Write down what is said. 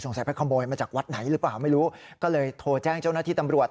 ไปขโมยมาจากวัดไหนหรือเปล่าไม่รู้ก็เลยโทรแจ้งเจ้าหน้าที่ตำรวจ